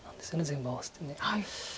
全部合わせて。